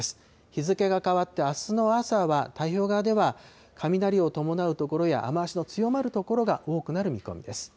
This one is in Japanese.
日付が変わってあすの朝は、太平洋側では、雷を伴う所や、雨足の強まる所が多くなる見込みです。